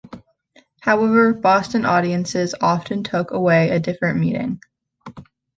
However, Boston audiences often took away a different meaning.